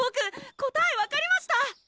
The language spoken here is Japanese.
答え分かりました！